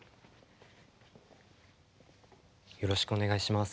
よろしくお願いします。